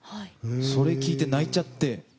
それを聴いて泣いちゃって。